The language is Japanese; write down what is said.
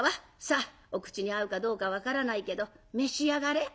さあお口に合うかどうか分からないけど召し上がれ」。